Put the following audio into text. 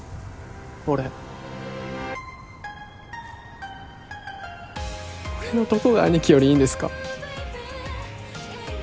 俺俺のどこが兄貴よりいいんですか？